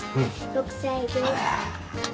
６歳です。